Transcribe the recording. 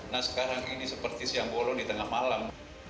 nah sekarang ini seperti siang bolong di tengah malam